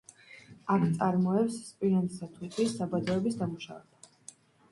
აქ წარმოებს სპილენძის და თუთიის საბადოების დამუშავება.